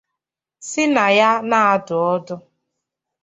si na ya na-adụ ọdụ